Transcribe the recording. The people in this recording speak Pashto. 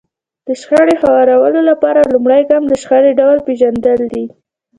د شخړې هوارولو لپاره لومړی ګام د شخړې ډول پېژندل دي.